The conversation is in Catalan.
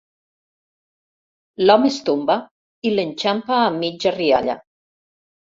L'home es tomba i l'enxampa a mitja rialla.